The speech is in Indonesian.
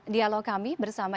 dialog kami bersama